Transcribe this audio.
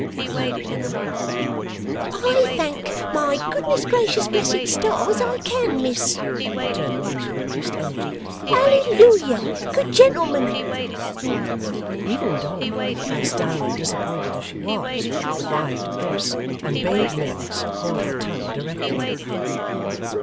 demanded Emma. 'I thank my goodness gracious blessed stars I can, miss,' returned Miggs, with increased energy. 'Ally Looyer, good gentlemen!' Even Dolly, cast down and disappointed as she was, revived at this, and bade Miggs hold her tongue directly.